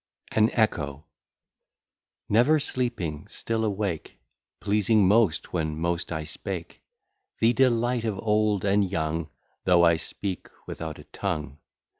] AN ECHO Never sleeping, still awake, Pleasing most when most I speak; The delight of old and young, Though I speak without a tongue.